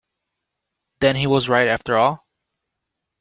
Then he was right after all?